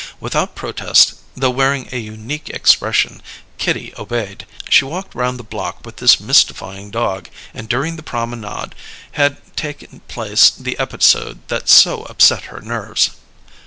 Without protest, though wearing a unique expression, Kitty obeyed; she walked round the block with this mystifying dog; and during the promenade had taken place the episode that so upset her nerves.